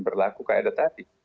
berlaku kayak ada tadi